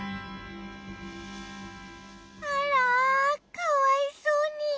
あらかわいそうに。